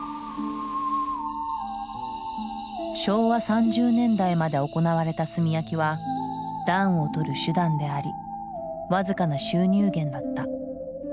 昭和３０年代まで行われた炭焼きは暖をとる手段であり僅かな収入源だった。